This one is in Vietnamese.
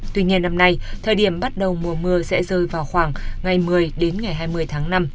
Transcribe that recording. tuy nhiên năm nay thời điểm bắt đầu mùa mưa sẽ rơi vào khoảng ngày một mươi đến ngày hai mươi tháng năm